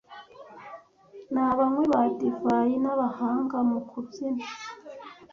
ni abanywi ba divayi n'abahanga mu kubyina